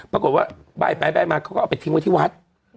ปรากฏว่าใบ้ไปใบ้มาเขาก็เอาไปทิ้งไว้ที่วัด